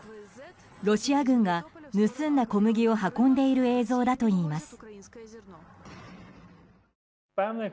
ロシア軍が、盗んだ小麦を運んでいる映像だといいます。